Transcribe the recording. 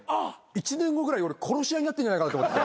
１年後ぐらい殺し合いになってんじゃないかなと思って。